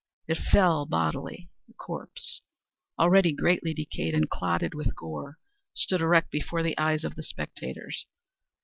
It fell bodily. The corpse, already greatly decayed and clotted with gore, stood erect before the eyes of the spectators.